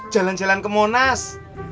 jalan jalan ke monas